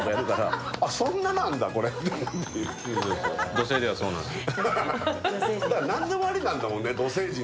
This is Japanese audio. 土星ではそうなんです。